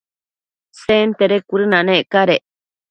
Sentede cuëdënanec cadec